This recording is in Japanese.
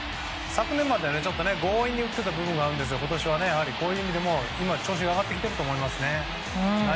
昨年までは強引に打っていた部分があるんですが今年はこういう意味でも調子が上がってきていると思いますね。